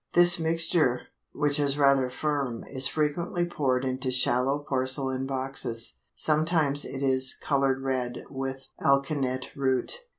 This mixture, which is rather firm, is frequently poured into shallow porcelain boxes; sometimes it is colored red with alkanet root.